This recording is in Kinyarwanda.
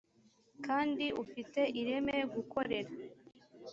kandi ufite ireme gukorera